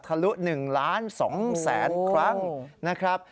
ลุ๑ล้าน๒แสนครั้งนะครับ